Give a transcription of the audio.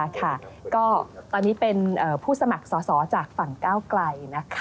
ก็ตอนนี้เป็นผู้สมัครสอสอจากฝั่งก้าวไกล